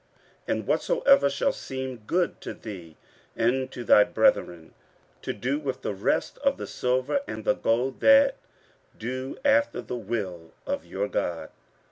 15:007:018 And whatsoever shall seem good to thee, and to thy brethren, to do with the rest of the silver and the gold, that do after the will of your God.